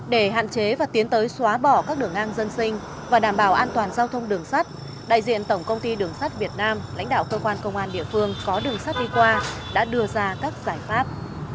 để hạn chế và tiến tới xóa bỏ các đường ngang dân sinh và đảm bảo an toàn giao thông đường sắt đại diện tổng công ty đường sắt việt nam lãnh đạo cơ quan công an địa phương có đường sắt đi qua đã đưa ra các giải pháp